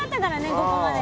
ここまで。